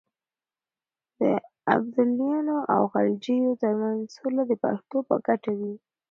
د ابدالیانو او غلجیو ترمنځ سوله د پښتنو په ګټه وه.